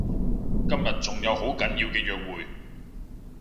今日仲有好緊要嘅約會